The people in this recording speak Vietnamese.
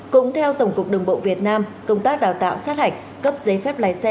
cũng theo tổng cục đường bộ việt nam công tác đào tạo sát hạch cấp giấy phép lái xe